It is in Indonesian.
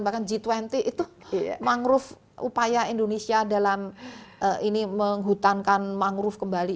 bahkan g dua puluh itu mangrove upaya indonesia dalam ini menghutankan mangrove kembali